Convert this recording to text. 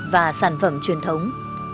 và sản phẩm truyền thống